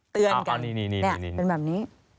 เตือนกันแบบนี้